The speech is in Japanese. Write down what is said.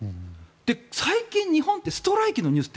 最近、日本ってストライキのニュースって